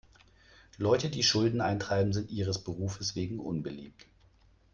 Leute, die Schulden eintreiben, sind ihres Berufes wegen unbeliebt.